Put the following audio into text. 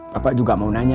bapak juga mau nanya